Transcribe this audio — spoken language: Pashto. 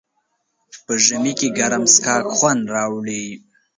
په ژمي کې ګرم څښاک خوند راوړي.